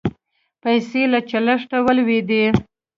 پیسې له چلښته ولوېدې.